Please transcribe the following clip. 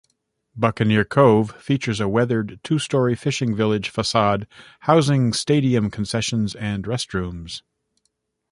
'Buccaneer Cove' features a weathered, two-story fishing village facade, housing stadium concessions and restrooms.